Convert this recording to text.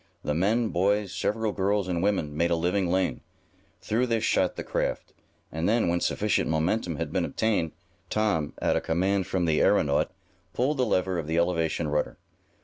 The men, boys, several girls and women made a living lane. Through this shot the craft, and then, when sufficient momentum had been obtained, Tom, at a command from the aeronaut, pulled the lever of the elevation rudder.